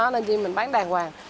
nên mình bán đàng hoàng